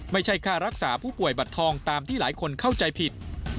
ไม่ใช่ค่ารักษาผู้ป่วยบัตรทองตามที่หลายคนเข้าใจผิด